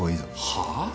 はあ？